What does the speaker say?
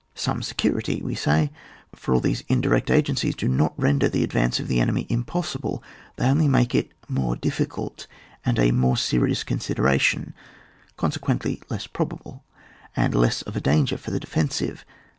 Some security " we say, for all these indirect agencies do not render the ad vance of the enemy impossible ; they only make it more difficult, and a more serious consideration ; consequently less probable and less of a danger for the defensive.